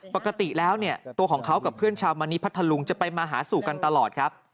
ปกติแล้วเนี่ยตัวของเขากับเพื่อนชาวมณีพัทธลุงจะไปมาหาสู่กันตลอดครับ